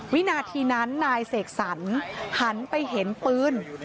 วินาทีนั้นนายเสกสรรหันไปเห็นปืน